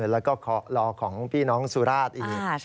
แล้วก็รอของพี่น้องสุราชอีก